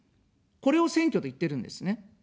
これを選挙と言ってるんですね。